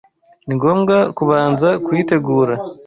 ni ngombwa kubanza kuyitegura.